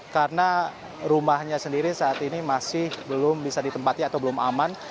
karena rumahnya sendiri saat ini masih belum bisa ditempati atau belum aman